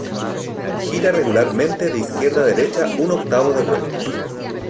Gira regularmente de izquierda a derecha un octavo de vuelta.